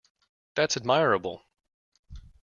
That's admirable